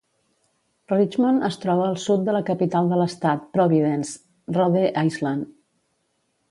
Richmond es troba al sud de la capital de l'estat, Providence, Rhode Island.